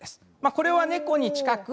これは猫に近く。